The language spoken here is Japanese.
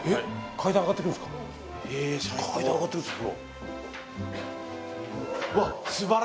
階段上がってくんです風呂。